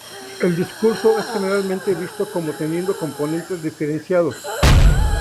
El discurso es generalmente visto como teniendo componentes diferenciados.